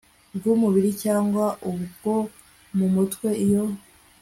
bw umubiri cyangwa ubwo mu mutwe iyo